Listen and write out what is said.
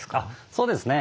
そうですね。